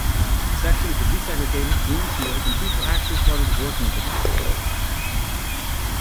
The sections were desegregated, wounds healed, and people actually started working together.